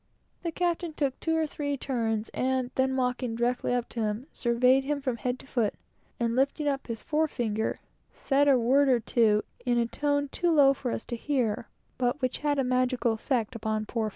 The captain took two or three turns, and then walking directly up to him, surveyed him from head to foot, and lifting up his forefinger, said a word or two, in a tone too low for us to hear, but which had a magical effect upon poor F